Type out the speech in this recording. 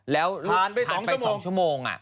แล้วผ่านไป๒ชั่วโมง